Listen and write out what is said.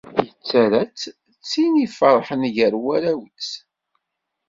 Ittarra-tt d tin iferḥen gar warraw-is.